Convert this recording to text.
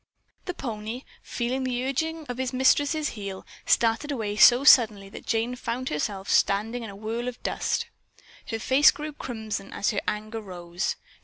The pony, feeling the urging of his mistress' heel, started away so suddenly that Jane found herself standing in a whirl of dust. Her face grew crimson as her anger rose.